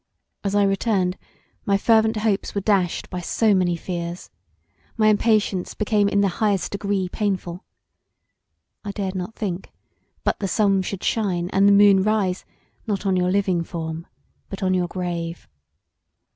As I returned my fervent hopes were dashed by so many fears; my impatience became in the highest degree painful. I dared not think that the sun should shine and the moon rise not on your living form but on your grave.